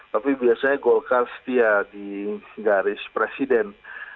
tapi biasanya golkar setia di garis presiden